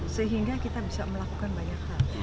sehingga kita bisa melakukan banyak hal